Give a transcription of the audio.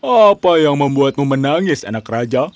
apa yang membuatmu menangis anak raja